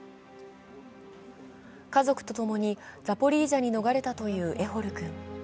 家族と共にザポリージャに逃れたというエホル君。